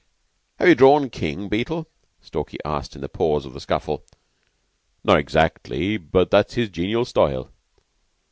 "Have you drawn King, Beetle?" Stalky asked in a pause of the scuffle. "Not exactly; but that's his genial style."